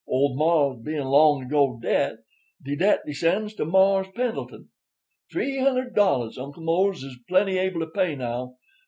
Old mars' bein' long ago dead, de debt descends to Mars' Pendleton. Three hundred dollars. Uncle Mose is plenty able to pay now.